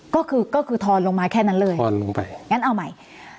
ก็คือก็คือทอนลงมาแค่นั้นเลยทอนลงไปงั้นเอาใหม่